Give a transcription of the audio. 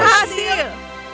ya kita berhasil